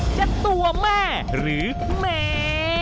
จะตัวแม่หรือแม่